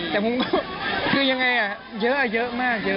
แต่ผมก็คือยังไงอะเยอะอะเยอะมาก